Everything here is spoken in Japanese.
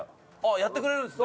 やってくれるんですね。